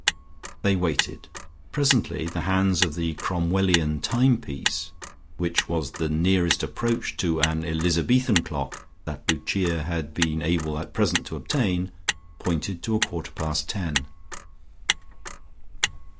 They waited. Presently the hands of the Cromwellian timepiece which was the nearest approach to an Elizabethan clock that Lucia had been able at present to obtain, pointed to a quarter past ten.